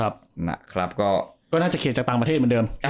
บ๊วยน่าจะเขตจากต่างประเทศเหมือนเดิม